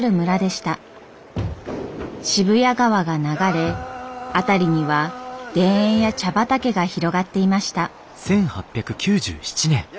渋谷川が流れ辺りには田園や茶畑が広がっていました。